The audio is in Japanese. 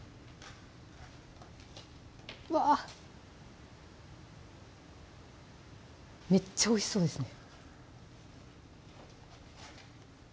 わぁめっちゃおいしそうですね